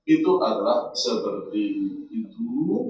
itu adalah seperti itu